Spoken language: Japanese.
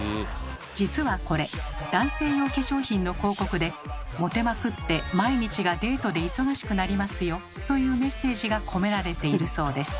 実はこれ男性用化粧品の広告で「モテまくって毎日がデートで忙しくなりますよ！」というメッセージが込められているそうです。